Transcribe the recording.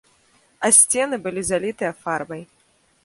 А сцены былі залітыя фарбай.